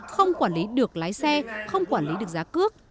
không quản lý được lái xe không quản lý được giá cước